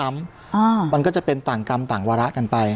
มันก็จะเป็นต่างกรรมต่างวาระกันไป